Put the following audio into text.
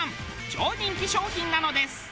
超人気商品なのです。